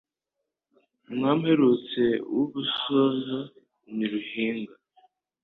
umwami uherutse w'u Busozo ni Ruhinga